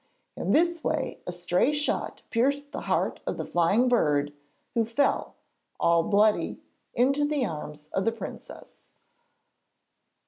In this way a stray shot pierced the heart of the flying bird, who fell, all bloody, into the arms of the princess.